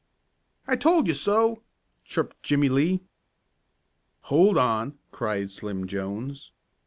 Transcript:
"I told you so!" chirped Jimmie Lee. "Hold on!" cried Slim Jones.